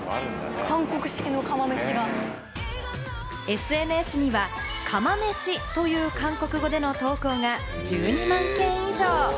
ＳＮＳには、「＃釜めし」という韓国語での投稿が１２万件以上。